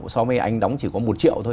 so với anh đóng chỉ có một triệu thôi